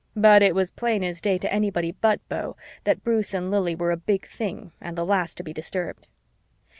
But it was plain as day to anybody but Beau that Bruce and Lili were a big thing and the last to be disturbed.